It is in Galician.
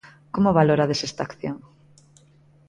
Como valorades esta acción?